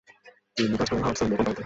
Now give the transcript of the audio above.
তিনি কাজ করেন হাডসন’স বে কোম্পানিতে।